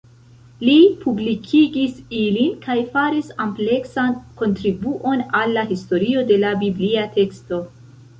Li publikigis ilin kaj faris ampleksan kontribuon al la historio de la biblia teksto.